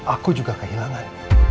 aku juga kehilangan